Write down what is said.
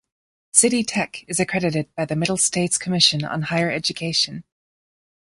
City Tech is accredited by the Middle States Commission on Higher Education.